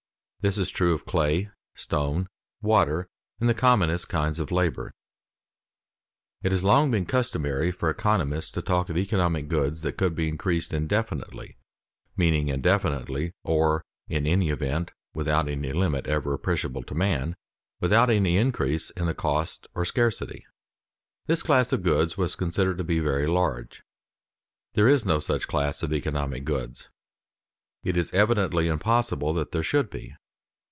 This is true of clay, stone, water, and the commonest kinds of labor. [Sidenote: No scarce goods can be indefinitely increased] It has long been customary for economists to talk of economic goods that could be increased indefinitely (meaning infinitely or, in any event, without any limit ever appreciable to man) without any increase in the cost or scarcity. This class of goods was considered to be very large. There is no such class of economic goods; it is evidently impossible that there should be.